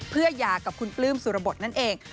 เพื่อยากับคุณปลื้มสุรบทนั่นเอง